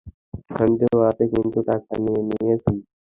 সন্দেহ আছে কিন্তু টাকা নিয়ে নিয়েছি।